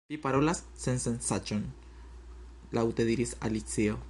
"Vi parolas sensencaĵon," laŭte diris Alicio.